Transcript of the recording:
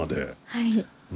はい。